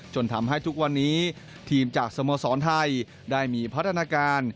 จนทำให้ทุกวันนี้ทีมจากสโมสรไทยได้มีพัฒนาการ